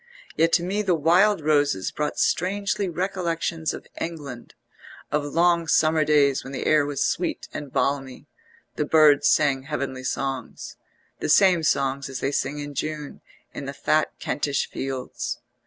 Yet to me the wild roses brought strangely recollections of England, of long summer days when the air was sweet and balmy; the birds sang heavenly songs, the same songs as they sing in June in the fat Kentish fields.